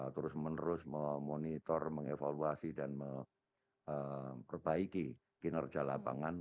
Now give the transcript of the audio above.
terus menerus memonitor mengevaluasi dan memperbaiki kinerja lapangan